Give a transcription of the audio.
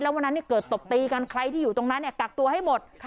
วันนั้นเกิดตบตีกันใครที่อยู่ตรงนั้นกักตัวให้หมด